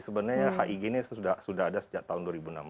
sebenarnya hig ini sudah ada sejak tahun dua ribu enam belas